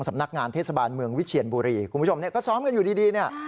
สำนักงานเทศบาลเมืองวิเชียนบุรีคุณผู้ชมเนี่ยก็ซ้อมกันอยู่ดีดีเนี่ย